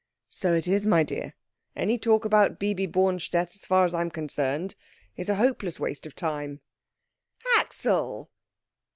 "So it is, my dear. Any talk about Bibi Bornstedt, as far as I am concerned, is a hopeless waste of time." "Axel!"